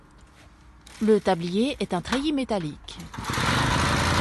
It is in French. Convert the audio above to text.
Le tablier est un treillis métallique.